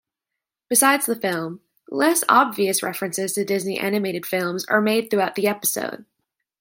Besides the film, less obvious references to Disney-animated films are made throughout the episode.